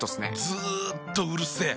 ずっとうるせえ。